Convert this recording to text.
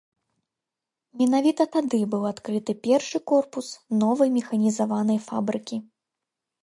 Менавіта тады быў адкрыты першы корпус новай механізаванай фабрыкі.